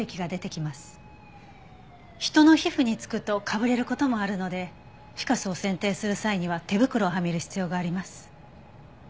人の皮膚に付くとかぶれる事もあるのでフィカスを剪定する際には手袋をはめる必要があります。